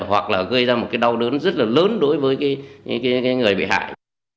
hoặc là gây ra một cái đau đớn rất là lớn đối với người bị hại